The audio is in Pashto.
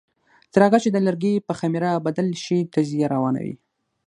تر هغه چې د لرګي په خمېره بدل شي تجزیه روانه وي.